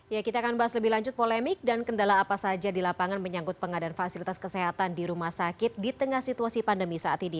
ya kita akan bahas lebih lanjut polemik dan kendala apa saja di lapangan menyangkut pengadaan fasilitas kesehatan di rumah sakit di tengah situasi pandemi saat ini